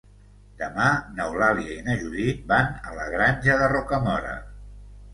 Demà n'Eulàlia i na Judit van a la Granja de Rocamora.